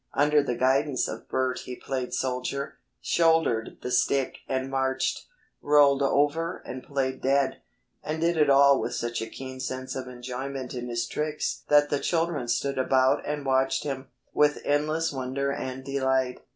Under the guidance of Bert he played soldier, shouldered the stick and marched, rolled over and played dead, and did it all with such a keen sense of enjoyment in his tricks that the children stood about and watched him, with endless wonder and delight.